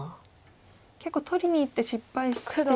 結構取りにいって失敗して。